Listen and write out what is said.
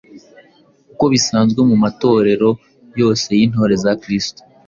uko bisanzwe mu matorero yose y’intore za Kristo.